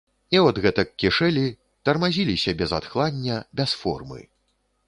І от гэтак кішэлі, тармазіліся без адхлання, без формы.